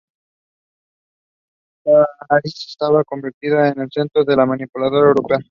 París se había convertido en el centro de la miniatura europea.